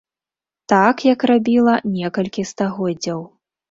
Так, як рабіла некалькі стагоддзяў.